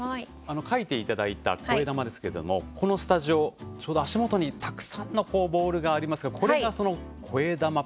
書いていただいたこえだまですけれどもこのスタジオ、ちょうど足元にたくさんのボールがありますがこれがその、こえだま